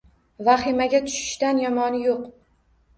Vahimaga tushishdan yomoni yo‘q